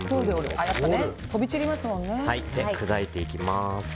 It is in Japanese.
で、砕いていきます。